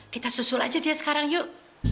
kita susul aja dia sekarang yuk